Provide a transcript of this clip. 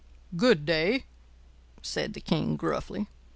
"Good day," said the king, gruffly.